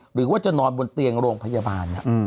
หรือว่าจะนอนบนเตียงโรงพยาบาล